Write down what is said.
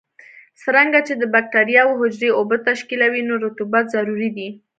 څرنګه چې د بکټریاوو حجرې اوبه تشکیلوي نو رطوبت ضروري دی.